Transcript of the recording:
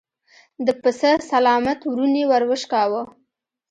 د پسه سلامت ورون يې ور وشکاوه.